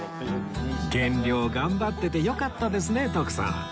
減量頑張っててよかったですね徳さん